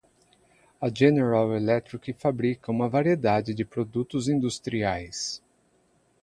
A General Electric fabrica uma variedade de produtos industriais.